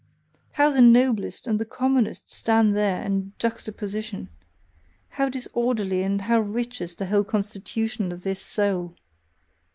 How the noblest and the commonest stand there in juxtaposition! How disorderly and how rich is the whole constitution of this soul!